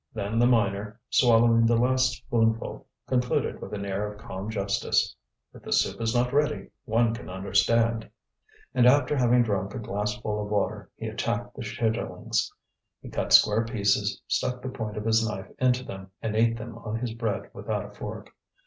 Then the miner, swallowing the last spoonful, concluded, with an air of calm justice: "If the soup is not ready, one can understand." And after having drunk a glassful of water, he attacked the chitterlings. He cut square pieces, stuck the point of his knife into them and ate them on his bread without a fork.